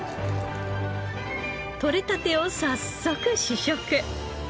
とれたてを早速試食。